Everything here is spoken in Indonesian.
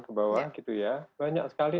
ke bawah banyak sekali